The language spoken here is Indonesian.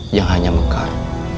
yang hanya mekar